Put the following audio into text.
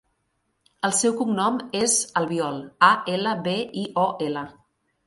El seu cognom és Albiol: a, ela, be, i, o, ela.